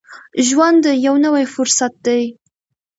د ژوند یو نوی فرصت دی.